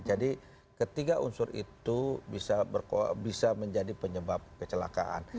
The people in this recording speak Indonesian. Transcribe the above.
ketiga unsur itu bisa menjadi penyebab kecelakaan